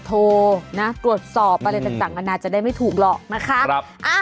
โทรนะตรวจสอบอะไรต่างนานาจะได้ไม่ถูกหรอกนะคะ